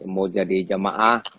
mau jadi jemaah